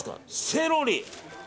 セロリ。